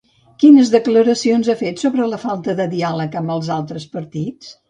Quines declaracions ha fet sobre la falta de diàleg amb els altres partits?